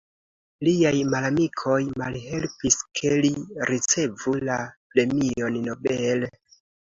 Liaj malamikoj malhelpis ke li ricevu la premion Nobel.